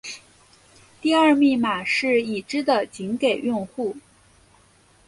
第二密码是已知的仅给用户。